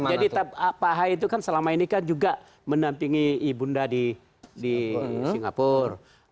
jadi pak ahy itu kan selama ini kan juga menampingi ibunda di singapura